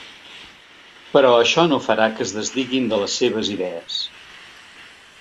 Però això no farà que es desdiguin de les seves idees.